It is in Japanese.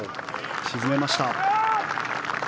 沈めました。